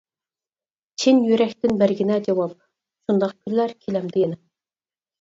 چىن يۈرەكتىن بەرگىنە جاۋاب، شۇنداق كۈنلەر كېلەمدۇ يەنە؟ !